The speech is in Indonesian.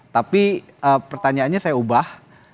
tapi pertanyaannya saya ubah